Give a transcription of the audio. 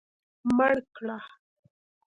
مړ کړه.